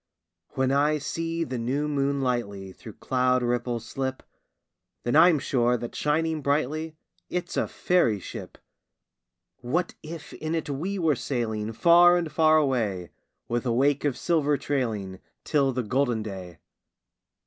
When I see the new moon lightly Through cloud ripples slip, Then I'm sure that shining brightly It's a fairy ship! What if in it we were sailing Far and far away, With a wake of silver trailing, Till the golden day?